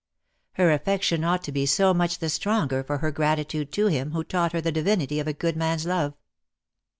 Her affection ought to be so much the stronger for her gratitude to him who taught her the divinity of a good man's love.